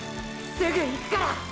すぐ行くから！！